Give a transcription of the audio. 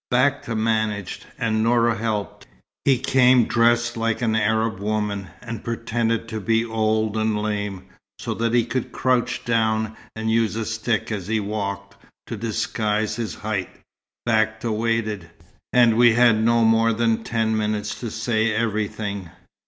"Bakta managed, and Noura helped. He came dressed like an Arab woman, and pretended to be old and lame, so that he could crouch down and use a stick as he walked, to disguise his height. Bakta waited and we had no more than ten minutes to say everything.